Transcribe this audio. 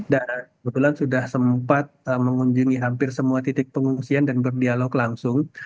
dan kebetulan sudah sempat mengunjungi hampir semua titik pengungsian dan berdialog langsung